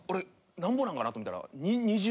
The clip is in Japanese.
なんぼなんかな？と見たら。